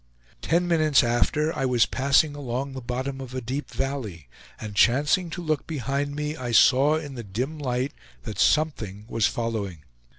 Ten minutes after, I was passing along the bottom of a deep valley, and chancing to look behind me, I saw in the dim light that something was following.